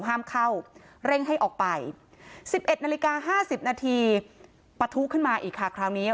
ห้ามเข้าเร่งให้ออกไป๑๑นาฬิกา๕๐นาทีปะทุขึ้นมาอีกค่ะคราวนี้